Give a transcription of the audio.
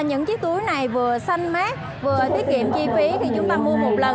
những chiếc túi này vừa xanh mát vừa tiết kiệm chi phí thì chúng ta mua một lần